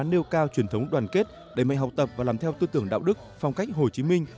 nêu cao truyền thống đoàn kết đẩy mạnh học tập và làm theo tư tưởng đạo đức phong cách hồ chí minh